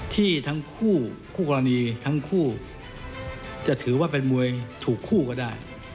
ที่ทั้งคู่คู่กรณีทั้งคู่จะถือว่าเป็นมวยถูกคู่ก็ได้